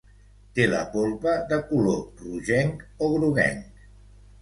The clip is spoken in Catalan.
Té la polpa de color rogenc o groguenc.